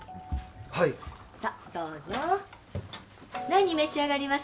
はいさあどうぞ何召し上がります？